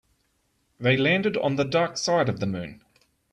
They landed on the dark side of the moon.